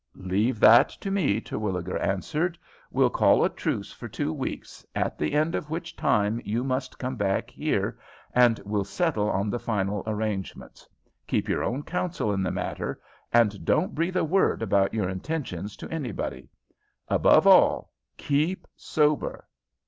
"Leave that to me," Terwilliger answered. "We'll call a truce for two weeks, at the end of which time you must come back here, and we'll settle on the final arrangements. Keep your own counsel in the matter, and don't breathe a word about your intentions to anybody. Above all, keep sober."